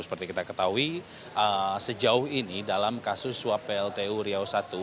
seperti kita ketahui sejauh ini dalam kasus suap pltu riau i